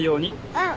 うん。